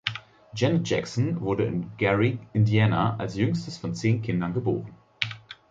Janet Jackson wurde in Gary, Indiana, als jüngstes von zehn Kindern geboren.